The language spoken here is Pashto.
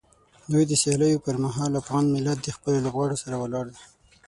د دوی د سیالیو پر مهال افغان ملت د خپلو لوبغاړو سره ولاړ دی.